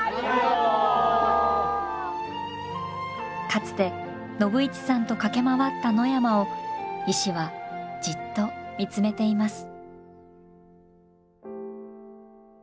かつて信市さんと駆け回った野山を石はじっと見つめています。